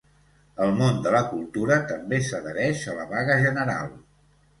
El món de la cultura també s’adhereix a la vaga general.